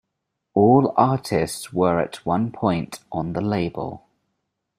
All artists were at one point on the label.